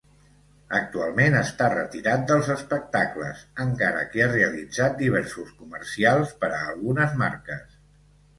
Actualment està retirat dels espectacles, encara que ha realitzat diversos comercials per a algunes marques.